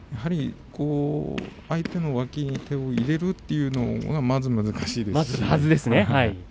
相手の脇に手を入れるというのがまず難しいですね、はずですね。